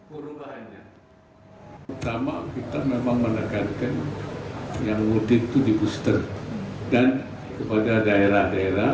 perubahannya pertama kita memang menekankan yang mudik itu di booster dan kepada daerah daerah